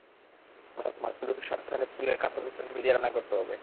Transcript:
অর্থাৎ মাছগুলো খুব সাবধানে তেঁতুলের ক্বাথের মিশ্রণে দিয়ে রান্না করতে হবে।